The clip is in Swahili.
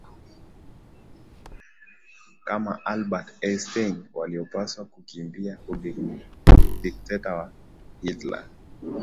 kama Albert Einstein waliopaswa kukimbia udiketa wa Hitler